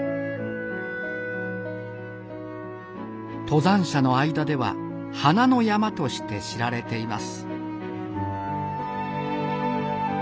登山者の間では「花の山」として知られています。